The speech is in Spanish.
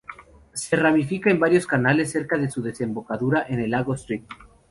Se ramifica en varios canales cerca de su desembocadura en el lago St.